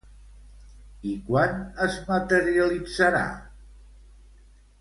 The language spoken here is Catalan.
I quan es materialitzarà?